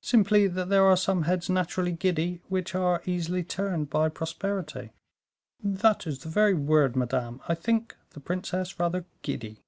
"Simply that there are some heads naturally giddy, which are easily turned by prosperity." "That is the very word, madame. I think the princess rather giddy."